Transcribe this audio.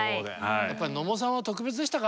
やっぱり野茂さんは特別でしたか？